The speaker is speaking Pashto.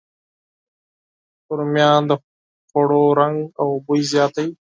رومیان د خوړو رنګ او بوی زیاتوي